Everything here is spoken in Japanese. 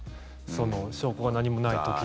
証拠が何もない時に。